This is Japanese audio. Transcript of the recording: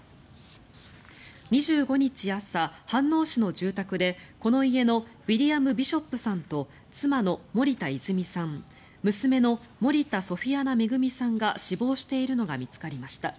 ２５日朝、飯能市の住宅でこの家のウィリアム・ビショップさんと妻の森田泉さん娘の森田ソフィアナ恵さんが死亡しているのが見つかりました。